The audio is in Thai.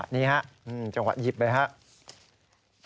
นี่จังหวะนี้จังหวะหยิบเลย